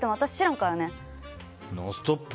「ノンストップ！」